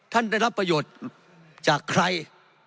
ได้รับประโยชน์จากใคร